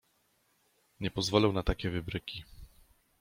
Nie pozwolę na takie wybryki.